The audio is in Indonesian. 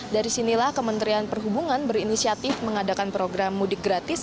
dari sinilah kementerian perhubungan berinisiatif mengadakan program mudik gratis